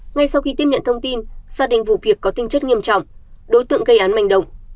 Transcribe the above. ngay sau khi tiếp nhận thông tin gia đình vụ việc có tinh chất nghiêm trọng đối tượng gây án manh động